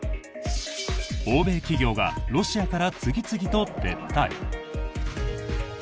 欧米企業がロシアから次々と撤退。